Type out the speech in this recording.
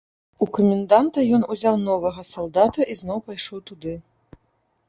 У каменданта ён узяў новага салдата і зноў пайшоў туды.